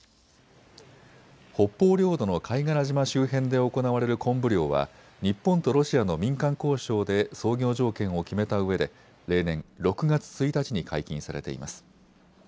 北方領土の貝殻島周辺で行われるコンブ漁は日本とロシアの民間交渉で操業条件を決めたうえで例年６月１日に解禁されています。